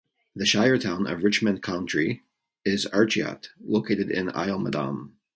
The shire town of Richmond Country is Arichat, located on Isle Madame.